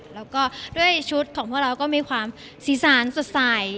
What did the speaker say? แล้วก็ด้วยชุดของพวกเราก็มีความสีสารสดใส